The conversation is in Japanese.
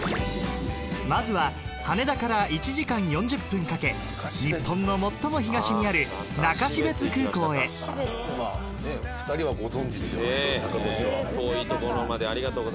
まずは羽田から１時間４０分かけ日本の最も東にある中標津空港へ２人はご存じタカトシは。